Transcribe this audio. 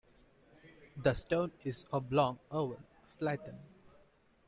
The stone is oblong oval, flattened.